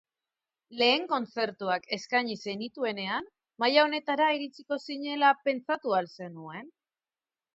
Lehen kontzertuak eskaini zenituenean, maila honetara iritsiko zinela pentsatu al zenuen?